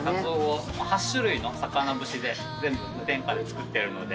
８種類の魚節で全部無添加で作ってるので。